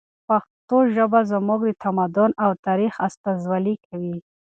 پښتو ژبه زموږ د تمدن او تاریخ استازولي کوي.